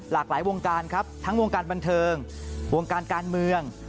หลากหลายวงการครับทั้งวงการบันเทิงวงการการเมือง